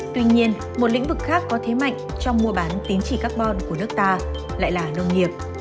tuy nhiên một lĩnh vực khác có thế mạnh trong mua bán tín chỉ carbon của nước ta lại là nông nghiệp